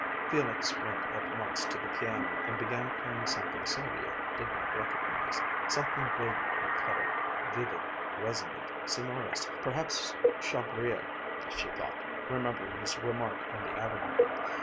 Felix went at once to the piano and began playing something Sylvia did not recognize, something brilliantly colored, vivid, resonant, sonorous, perhaps Chabrier, she thought, remembering his remark on the avenue.